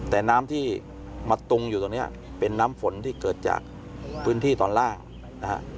แต่น้ำที่มาตุงอยู่ตรงนี้เป็นน้ำฝนที่เกิดจากพื้นที่ตอนล่างนะฮะ